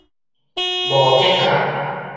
無的確